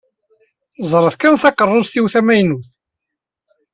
Ẓṛet kan takeṛṛust-iw tamaynut.